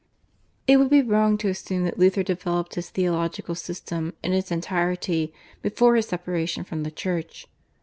It would be wrong to assume that Luther developed his theological system in its entirety before his separation from the Church.